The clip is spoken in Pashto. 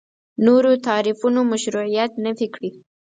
نورو تعریفونو مشروعیت نفي کړي.